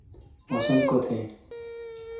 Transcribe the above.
موسم کوتھ این۔